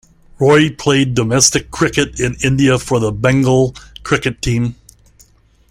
Roy played domestic cricket in India for the Bengal cricket team.